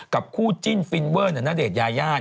กับคู่จิ้นฟินเวิร์นณเดชน์ยาย่าน